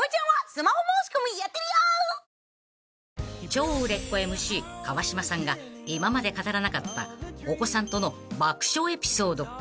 ［超売れっ子ＭＣ川島さんが今まで語らなかったお子さんとの爆笑エピソード